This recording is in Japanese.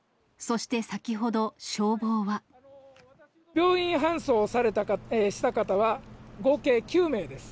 病院搬送した方は、合計９名です。